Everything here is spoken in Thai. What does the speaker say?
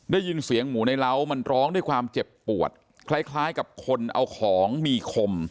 ได้ยินเสียงหมูในเล้ามันร้องด้วยความเจ็บปวดคล้ายกับคนเอาของมีคม